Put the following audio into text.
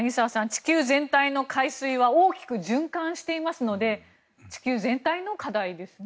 地球全体の海水は大きく循環していますので地球全体の課題ですね。